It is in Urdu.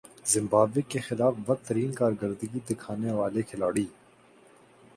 زمبابوے کے خلاف بدترین کارکردگی دکھانے والے کھلاڑی